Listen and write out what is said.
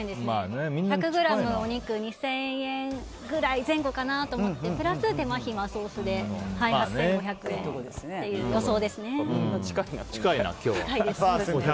１００ｇお肉２０００円前後かなと思ってプラス手間暇、ソースで８５００円という近いな、今日は。